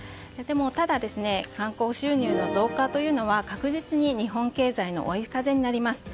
ただ、観光収入の増加というのは確実に日本経済の追い風になります。